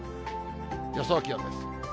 予想気温です。